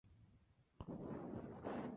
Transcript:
King, Buddy Guy y Cream, entre otros.